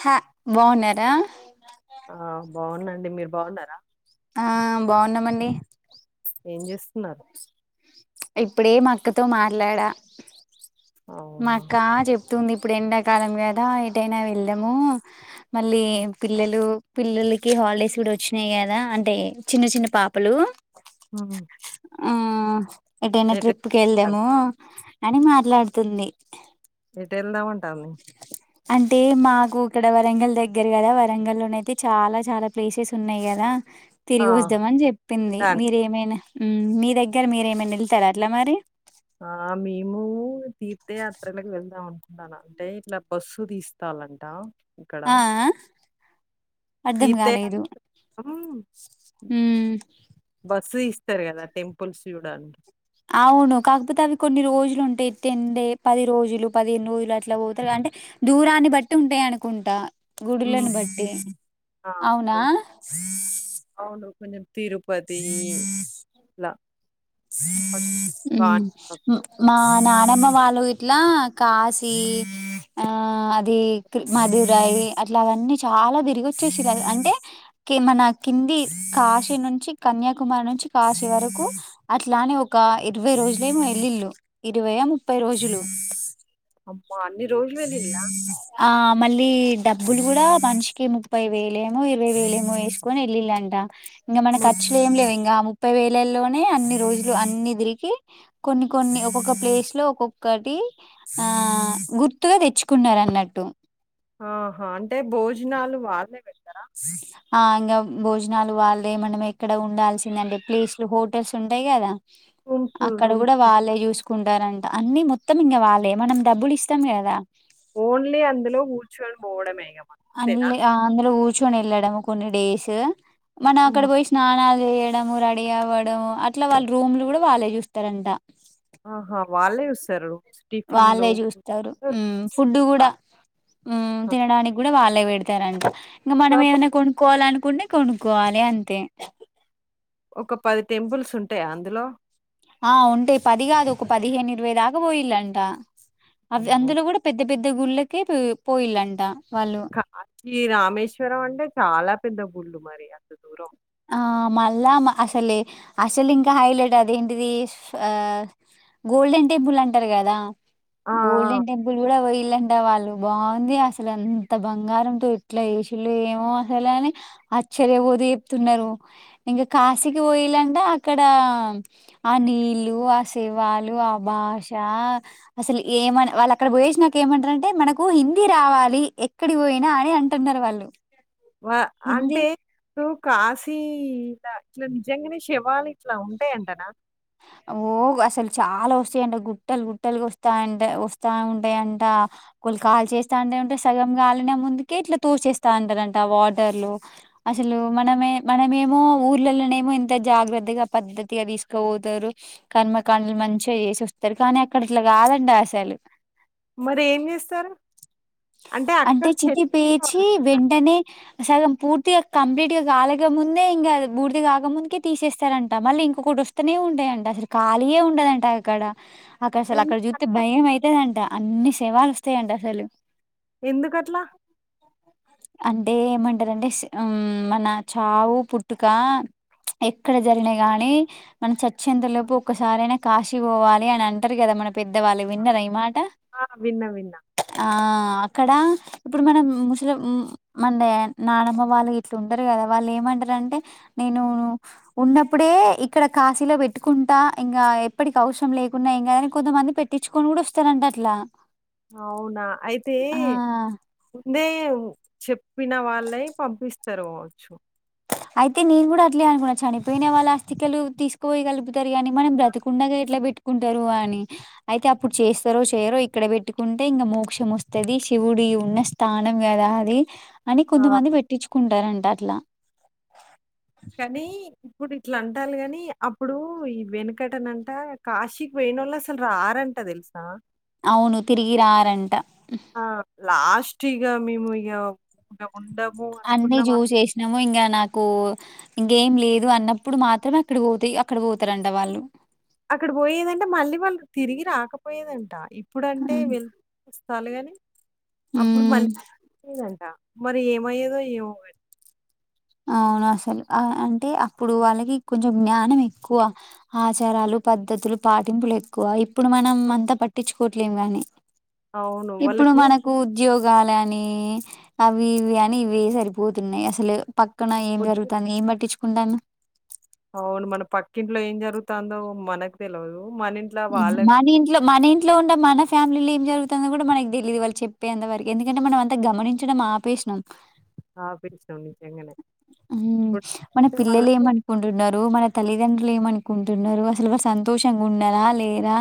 హ బాన్నారా. ఆ బోన్నండి మీరు బాన్నారా. ఆమ్ బాన్నామండి. ఏం చేస్తున్నారు? ఇప్పుడే మా అక్కతో మాట్లాడా. మా అవునా అక్క చెప్ తుంది ఇప్పుడు ఎండాకాలం కదా ఎటైనా వెళ్దాము మళ్ళీ పిల్లలు పిల్లలకి హాలిడేస్ కూడా వచ్చినాయి కదా అంటే చిన్న చిన్న పాపలు. ఓహో ఆ ఎటైనా ట్రిప్ కెళ్దాము అని మాట్లాడుతుంది. ఎటెల్దాం అంటాది అంటే మాకు ఇక్కడ వరంగల్ దగ్గర కదా వరంగల్ లోన అయితే చాలా చాలా ప్లేసెస్ ఉన్నాయి కదా ఆ తిరిగి వద్దామని చెప్పింది చూడడానికి మీరేమైనా హ్మ్ మీ దగ్గర మీరేమనా వెళ్తారా అట్లా మరి ఆ మేము తీర్థయాత్రలకు వెళ్దాం అనుకుంటాన అంటే ఇట్లా బస్సు తీస్తాలంట. ఇక్కడ ఆ ఆ అర్ధం కాలేదు తీర్థయాత్రం హ్మ్ తిరగాల టెంపుల్స్ చూడ్డానికి. అవును కాకపోతే అవి కొన్ని రోజులు ఉంటాయి టెండే పది రోజులు పదిహేన్ రోజులు అట్లా పోతారు అంటే దూరాన్ని బట్టి ఉంటాయి అనుకుంటా. ఉమ్ గుడులను బట్టి ఆ అవునా కొంచెం అవును కొంచెం తిరుపతీ ల ఉమ్ [unintelligible] మా నానమ్మ వాళ్ళు ఇట్లా కాశీ ఆ అది మధు రాయి అట్లా అవన్నీ చాలా తిరిగి వచ్చేసిర్ అంటే కి మన కింది కాశీ నుంచి కన్యాకుమారి నుంచి కాశీ వరకు అట్లానే ఒక ఇరవై రోజులేమో వెల్లిళ్ళు ఇరవై ముప్పై రోజులు అమ్మా అన్ని రోజులు వెళ్ళిల్లా ఆ మళ్ళీ డబ్బులు కూడా మనిషికి ముప్పై వేలేమో ఇరవై వేలేమో వేసుకొని వెళ్ళిళ్ళంట. ఇంగా మన మొ ఖర్చులు ఏం లేవు ఇంగా ముప్పై వేలలోనే అన్ని రోజులు అన్ని తిరిగి కొన్ని కొన్ని ఒక్కొక్క ప్లేస్ లో ఒక్కొక్కటి ఆ గుర్త్ త్తుగా తెచ్చుకున్నారు అన్నట్టు. ఆహా అంటే భోజనాలు వాళ్ళే పెట్ జిల్లా ఆ ఇంకా భోజనాలు వాళ్ళే ఏమన ఎక్కడ ఉండాల్సింద అంటే ప్లేస్లు హోటల్స్ ఉంటాయి కదా. రూమ్స్ అక్కడ కూడా రూమ్స్ వాళ్ళే చూసుకున్ కుంటారంట అన్ని మొత్తం ఇంకా వాళ్లే మనం డబ్బులు ఇస్తాం కదా ఓన్లీ అందులో కూర్చుని పోవడమే మనం. అంతేనా? అన్లే అందులో కూర్చు కూర్చొని వెళ్ళడం కొన్ని డేస్ మనం అక్కడ హ్మ్. పోయి స్నానాల్ చేయడము రెడీ అవ్వడము అట్లా వాళ్ళ రూమ్లు కూడా వాళ్ళే చూస్తారంట. ఆహా వాళ్ళే చూస్తారు. టిఫిన్‌లు వాళ్ళే చూస్తారు హ్మ్ ఫుడ్ కూడా హ్మ్ తినడానికి కూడా వాళ్ళే. వాళ్ళే పెడుతారాంటా ఇంకా మనం ఏమైనా కాకపోతే కొనుక్కోవాలి అనుకుంటే. కొనుకోవాలే అంతే ఒక పది టెంపుల్స్ ఉంటాయా అందులో ఆ ఉంటే పది కాదు ఒక పదిహేను ఇరవై దాకపోయిళంట అవి అమ్మో! అందులో కూడా పెద్ పెద్ద గుళ్లకే పోయిలాంటా. వాళ్ళు ఈ రామేశ్వరం అంటే చాలా పెద్ద గుళ్లు మరి అంత దూరం ఆ మళ్ళా అసలే అసలు ఇంకా హైలైట్ అది ఏంటిది ఆ గోల్డెన్ టెంపుల్ అంటార్ కదా ఆ! ఆ! గోల్డన్ టెంపుల్ కూడా వోయ్ పెళ్లంట వాళ్ళు బాగుంది అసలు అంత బంగారంతో ఎట్లా చేసిల్లో ఏమో అసలని ఆశ్చర్యపోది తున్నారు ఇంకా కాశీకి పోయిలంటే అక్కడ ఆ నీళ్ళు ఆ సేవాలు ఆ భాష అసలు ఏమని వాళ్ళు అక్కడ పోయేచ్చినాక ఏమంటారంటే మనకు హిందీ రావాలి ఎక్కడి పోయినా అని అంటున్నారు వాళ్ళు వ హిందీ అంటే ఇప్పుడు కాశీ లా ఇట్లా నిజంగానే శేవాలు ఇట్లా ఉంటాయంటనా ఓ అసలు చాలా వస్తాయంట గుట్టలు గుట్టలు వస్తాయాంట వస్తా ఉంటాయంట కొలు కాలు చేస్తా ఉంటాంటే సగం లినే ముందుకే ఇట్లా తోసేస్తా ఉంటారంట వాటర్లు అసలు మనమే మనమేమో ఊర్లలోనే ఏమో ఇంత జాగ్రత్తగా పద్ధతిగా తీసుకపోత్ తరు కర్మకాండలు మంచిగా చేసి వస్తారు కానీ అక్కడ అట్లా కాదంట ఆసలు మరేం జేస్తారు? అక్కడ అంటే చితి చనిపోయిన పేచి వాళ్ళేనా? వెంటనే సగం పూర్తిగా కా కంప్లీట్ గా కాలక ముందే ఇంకా బూర్ది కాక ముందుకే తీసేస్తారంట మళ్ళీ ఇంకొకటి వస్తనే ఉంటాయింట అసలు ఖాళీయ ఉండదంట అక్కడ అక్క అసలు అక్కడ చూస్తే ఎందుకంట భయం అయితదంట అన్ని స్ సేవాలోస్తాయంట అసలు ఎందుకట్లా? అంటే ఏమంటారంటే మన చావు పుట్టుక ఎక్కడ జరిగినా గాని మన చచ్చేంతలోపు ఒక్కసారైనా కాశీ పోవాలి అని అంటరు కదా మన పెద్దవాళ్ళు విన్నర ఈ మాట ఆ విన్నా విన్నా క్కడ ఇప్పుడు మనం ముసలి మన నానమ్మ వాళ్ళు గిట్లా ఉంటారు కదా వాళ్ళు ఏమంటరంటే నేను ఉన్నప్పుడే ఇక్కడ కాశీలో పెట్టుకుంటా ఇంగ ఎప్పటికి అవసరం లేకున్నా ఇంకాదని కొంతమంది పెట్టించుకొని కూడా వస్తారంట అట్లా అవునా అయితే ఆ [unintelligible] దేవ్ చెప్పిన వాళ్లై పంపిస్తారు పోవచ్చు అయితే నేను కూడా అట్లే అనుకున్నా చనిపోయిన వాళ్ళ ఆస్తికలు తీసుకుపోయిగలుపుతారు అని మనం బ్రతికు కుండగా ఎట్లా హ్మ్. పెట్టుకుంటారు అ ని అయితే అప్పుడు చేస్తారో చెయ్యరో ఇక్కడ పెట్టుకుంటే ఇంగ మోక్షం వస్తది శివుడి ఉన్న స్థానం గదా అది అని ఆ! కొంతమంది పెట్టిచ్చుకుంటారన్ టట్లా కానీ ఇప్పుడు ఇట్లా అంటాల గాని అప్పుడు ఈ వెనకటనంట కాశీకి పోయినోళ్ళసలు రారంట తెలుసా అవును తిరిగి రారంట టిగ మేము ఇగ ఉండము అన్ని అనుకున్న వాళ్ళు చూచేసినాము ఇంగ నాకు ఇంకేం లేదు అన్నప్పుడు మాత్రమే అక్కడ పోతే అక్కడ పోతారంట వాళ్ళు అక్కడ పోయేదంటే మళ్ళీ వాళ్ళు తిరిగి రాకపోయేదంట ఇ ఇప్పుడంటే హ్మ్. వెళ్ [unintelligible] చాలుగాని అప్పుడు హ్మ్. మళ్ళీ [unintelligible] దంటా మరి ఏమయ్యేదో ఏమో మరి అవునసలు అంటే అప్పుడు వాళ్ళకి కొంచెం జ్ఞానం ఎక్కువ ఆచారాలు పద్ధతులు పాటింపులు ఎక్కువ ఇప్పుడు మనం అంతా పట్టిచ్చుకోట్లేము గానీ అవును. ఇప్పుడు మనకు వాళ్ళకు ఉద్యోగ గాలీ అని అవి ఇవి అని ఇవే సరిపోతున్నాయి అసలు పక్కన ఏం జరుగుతాంది ఏం పట్టిచ్చు ఉంటాను అవును మన పక్కింట్లో ఏం జరుగుతాందో మనకు తెల్వదు మన ఇంట్లో మన ఇంట్లో ఉండే మన ఫ్యామిలీ జరుగుతాందో కూడా మనకి తెలీయదు వాళు చెప్పేంతవరకి ఎందుకంటే మనం అంతా గమనించడం ఆపేషినాం ఆ పిల్చినం నిజంగానే ఉం ఇప్పుడు మన వాళ్ళకు పిల్లలేమనుకుంటున్నారు మన తల్లి దండ్రులు ఏమనుకుంటున్నరు అసలు వా సంతోషంగున్నరా లేరా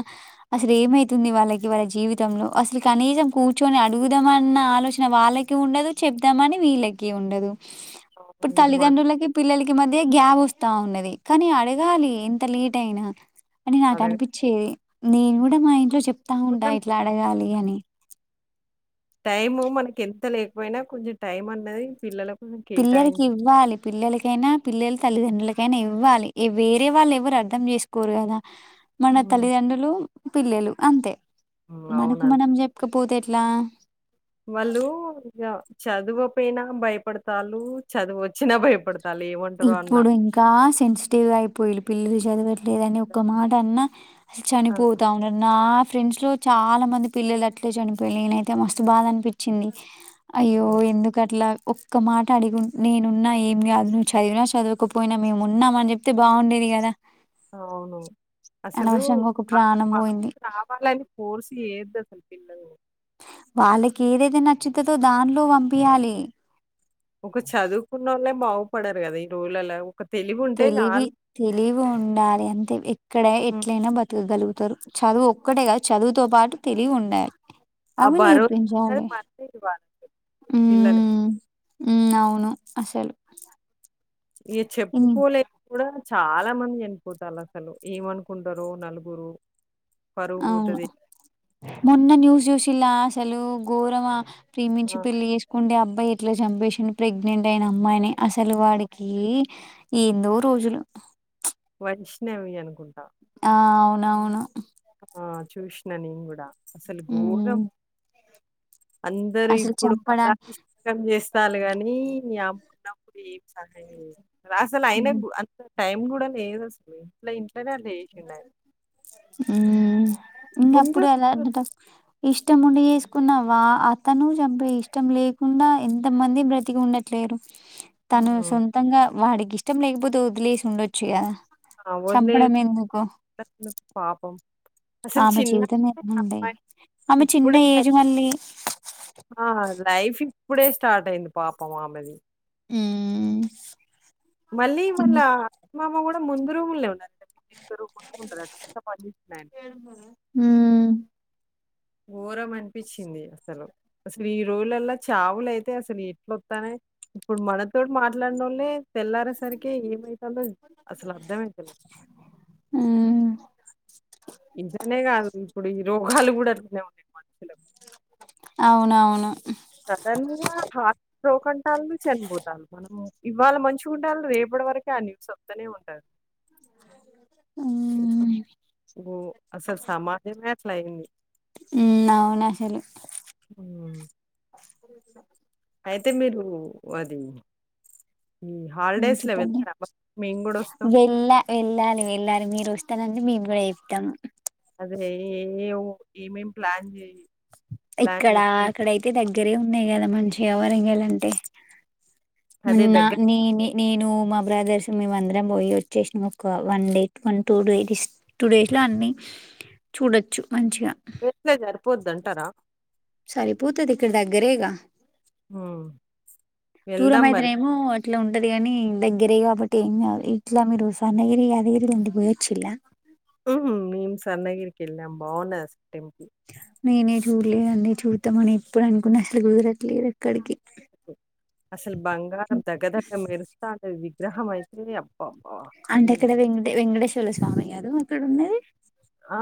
అసలు ఏమైతుంది వాళ్ళకి వాళ్ళ జీవితంలో అసలు కనీసం కూర్చొని అడుగుదామన్న ఆలోచన వాళ్ళకి ఉండదు చెప్దామని వీళ్ళకి ఉండదు ఇప్పుడు అవును. ఇది మాత్రం తలిండులకి పిల్లలరి మద్ య గ్యాబ్ వస్తా ఉన్నది కానీ అడగాలి ఎంత లేట్ అయినా అని నాకు అడగక అనిపించేది. నేను గు డ మా ఇంట్లో చెప్తా ఉంటా కొంచెం ఇట్లా అడగాలి అని టైము మనకి ఎంత లేకపోయినా కొంచెం టైం అన్నది పిల్లలక్ పిల్లలకి ఇవ్వాలి పిల్లలకైనా పిల్లల తల్లిదండ్రలకైనా ఇవ్ వ్వాలి వేరే వాళ్ళు ఎవరు అర్థం చేసుకోరు కదా. మన హ్మ్. తల్లిదండ్రులు పిల్లలు అంతే హ్మ్. మనకు అవునండి. మనం చెప్పుకొ పోతే ఎట్లా. వాళ్ళు ఇగ చదువపోయినా భయపడతాల్లు చదువు వచ్చినా భయపడత్ ఇప్పుడు ఇంకా సెన్సిటివ్గా అయిపోయిళ్ళు పిల్లలు చదివట్ల్ లేదని ఒక్క మాట అన్నా ఆ! చనిపోతా ఉన్నరు నా. ఫ్రెండ్స్ లో చాలా మంది పిల్లలు అట్లే చనిపోయిల్లు న నేనైతే మస్తు బాధ అనిపించింది. అయ్యో ఆ! ఎందుకు అట్లా ఒక్క మాట అడిగి ఉ నేనున్నా ఏం గాదు ను చదివినా చదువకపోయినా మేము ఉన్నాం అని చెప్తే బాగుండేది కదా. అవును అసలు అనవసరంగా ఒక ప్రాణం బగా బోయింది. రా కావాలని ఫోర్స్ చెయ్యద్దు పిల్లల్ని వాళ్ళకి ఏదైతే నచ్చుతదో దానిలో పంపియాలి ఒక చదువుకున్నోళ్ళే బాగుపడరు కదా ఈ రోజు లల్లా తెలివి తెలివి ఉండాలి అంటే ఎక్కడ హ్మ్. ఎట్లైనా బతకగలుగు తరు చదువు ఒక్కటే కాదు చదువుతో పాటు తెలివి ఉండాలి. ఆ అవి భరోసా అనేది నేర్పించాలి. మనమే ఇవ్వాలి పిల్లలక్ హ్మ్ హ్మ్ అవును అసలు ఇగ ఇన్ చెప్పుకోలేక కూడా చాలా మంది చనిపోతాల్లసలు ఏమనుకుంటరో నలుగురు పరువు అవును పోతది. మొన్న న్యూస్ జూషిల్లా లాస్ లు ఘోరమ ప్రేమించి ఆ! పెళ్లి చేసుకుంటే అబ్బ అబ్బా ఇట్లా చంపేసి ప్రెగ్నెంట్ అయిన అమ్మాయిని అసలు వాడికీ ఎందో ఓ రోజులు వైష్ణవి అనుకుంటా ఆ అవునవును చూసినా నేను గూడా అసలు హ్మ్ గోరం అందరు అసలు ఇప్పుడు చంపడా పాలాభిషేకం చేస్ చాలు కానీ నీ అమ్మున్నప్పుడు ఏం [inaudible] అసలు అయిన హ్మ్. కూడా అంత టైమ్ కూడా లేదు అసలు ఇట్ల ఇం ఊ ముందు ఉన్నప్పుడే అలాంటి త ఇష్టం ఉండి చేసుకున్నా వా అతను చంపి ఇష్టం లేకుండా ఎంత మంది బ్రతికి ఉండట్లేరు తను హ్మ్. సొంతంగా వాడికి ఇష్టం లేకపోతే వదిలేసి ఉండొచ్చుగా అవనే పాపం అసలు ఆమె చిన్న జీవితం ఏ ఉండ అమ్మాయి ఆమె చిన్న ఇప్పుడే ఏజ్ మళ్ళీ ఆ లైఫ్ ఇప్పుడే స్టార్ట్ అయింది పాపము ఆమెది ఊమ్ మళ్ళీ మల్ల అమమ్మ కూడ్ ముందు రూములె ఉన్నర ఊ ఘోరం అనిపించింది అసలు అసలు ఈ రోజులలా చావులయితే అసలు ఎట్లొతనఇ ఇప్పుడు మనతో మాట్లాడిన నోళ్లే తెల్లారే సరికి ఏమై అసలు అర్థమయితలేదు ఉమ్ ఇంటనే కాదు ఇప్పుడు ఈ రోగాలు కూడా అట్ నే ఉన్నాయి మనుషులకు అవునవును సదన్ గా హార్ట్ స్ట్రోక్ అంటారు చనిపోతాం మనం ఇవాళ మంచిగా ఉండాల రేపటి వరకే ఆ సొద్దనే ఉంటదు ఉమ్ ఊ అసలు సమాజమే అట్ల అయింది ఉమ్ అవును అసలు మ్ అయితే మీరూ అది ఈ ఊ హాలిడేస్‌లో చెప్పండి వెళ్తారా? మరి మేము గూడా వస్తాం. వెళ్ళ వెళ్ళాలి వెళ్ళాలి మీరు ఓస్తారంటే మేము కూడా చెప్తాము అదే ఏ ఏఓ ఏం ఏం ప్లాన్ చేయి ఇక్కడ అక్కడయితే దగ్గరే ఉన్నాయి కదా మంచ్ ఎవరంగేలంటే అదే ఉన్నా దగ్గర నేనే నేను మా బ్రదర్స్ మేమ అందరం పోయి వచ్చేసినము ఒక one day to one two days two days లో అన్ని చూడచ్చు మంచిగా వట్లే జరిపోద్దు అంటారా సరిపోతది ఇక్కడ దగ్గరేగా హ్మ్ వెళ్దాం మరి ఇట్లా ఉంటది కని దగ్గరే కాబట్టి ఏమికాదు ఇట్లా మీరు సన్నగిరి యాదగిరిలోండి పోయొచ్చి ల్లా హ్మ్ మేమ్ సన్నగిరికి ఎల్లాం బాన్నది టే చూల్లేదండి చూద్దామని ఇప్పుడు అనుకున్నా అసలు కుదరట్లేదు ఎక్కడికి అసలు బంగారం దగ దగ మెరుస్తాంటది గ్రహమైత్రేయమ్ అంటే ఇక్కడ వెం వెంకటేశ్వరల స్వామి గారు ఇక్కడ ఉన్నది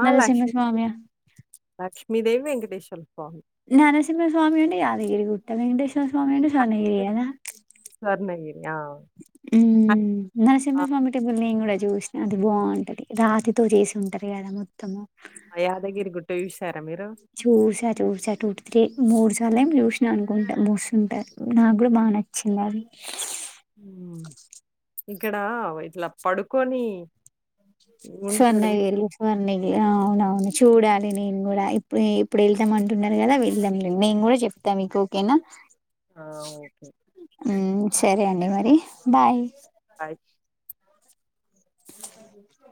ఆ లక్ష్మి నరసింహస్వామి లక్ష్ మీ దేవి వెంకటేశ్వరులు నరసింహస్వామి ఉండి యాదగిరి కు తెవెండేస్ సింహస్వామి యాదాద్రి స్వర్ణగిరి. ఆ! అది [unintelligible] ఆ! నరసింహస్వామి టెబుల్ ని కూడా చూసిన అది బాంటది రాతితో చేసి ఉంటారు కదా మొత్తము యాదగిరి గుట్ట విష చూస చూస టూటి మూడుసార్లు ఏమొ చూసినా అనుకుంటా మూసుంటారు నాకు కూడా బాగా నచ్చింది అది ఇక్కడ ఇట్లా పడుకొని ఉంటాడు. వి స్వర్ణగిరి స్వర్ణగిరి అవునువును చూడాలి నేను కూడా ఇప్పుడు ఇప్పుడు వెళ్దాం అంటున్నారు కదా వెళ్దాం నేను కూడా చెప్తా మీక ఓకేనా ఆ! ఓకే. హ్మ్ సరే అండి మరి బాయ్ అకా